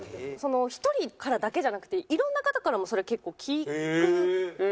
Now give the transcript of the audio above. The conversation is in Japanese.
１人からだけじゃなくていろんな方からもそれ結構聞く事が多くて。